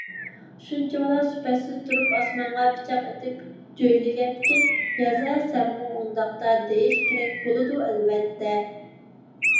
شۇنچىۋالا سۈپەتسىز تۇرۇپ ئاسمانغا پىچاق ئېتىپ جۆيلىگەنكىن يازە سەنمۇ ئۇنداقتا دېيىش كېرەك بولىدۇ، ئەلۋەتتە.